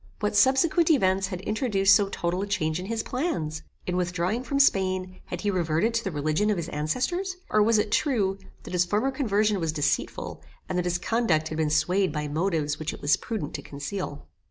What subsequent events had introduced so total a change in his plans? In withdrawing from Spain, had he reverted to the religion of his ancestors; or was it true, that his former conversion was deceitful, and that his conduct had been swayed by motives which it was prudent to conceal?